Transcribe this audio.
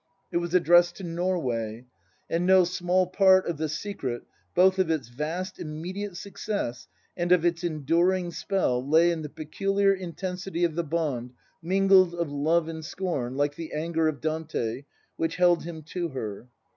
It was addressed to Norway, and no small part of the secret both of its vast immediate success and of its enduring spell lay in the peculiar intensity of the bond, mingled of love and scorn, like the anger of Dante, which held him to her.